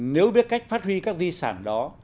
nếu biết cách phát huy các di sản đó